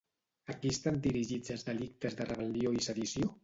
A qui estan dirigits els delictes de rebel·lió i sedició?